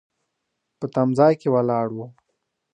په تم ځای کې ولاړ و.